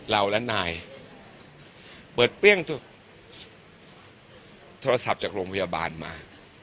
เราและนายเปิดเปรี้ยงโทรศัพท์จากโรงพยาบาลมา